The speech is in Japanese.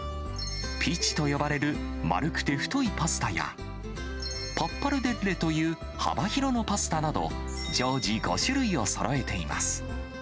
ピチと呼ばれる丸くて太いパスタや、パッパルデッレという幅広のパスタなど、常時５種類をそろえています。